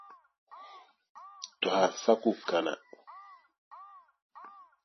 Tɔha sa ku kana.